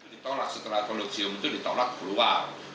ditolak setelah kolosium itu ditolak keluar